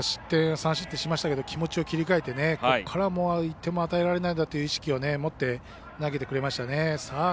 ３失点しましたけど気持ちを切り替えて、ここから１点も与えないという意識を持って投げてくれましたね。